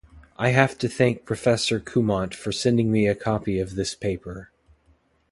I have to thank Prof. Cumont for sending me a copy of this paper.